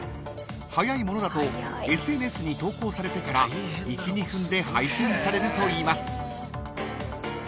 ［早いものだとＳＮＳに投稿されてから１２分で配信されるといいます］